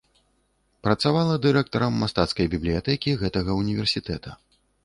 Працавала дырэктарам мастацкай бібліятэкі гэтага ўніверсітэта.